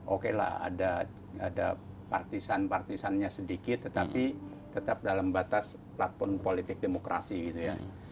oke lah ada partisan partisannya sedikit tetapi tetap dalam batas platform politik demokrasi gitu ya